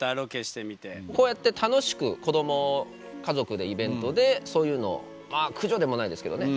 こうやって楽しく子供家族でイベントでそういうのまあ駆除でもないですけどね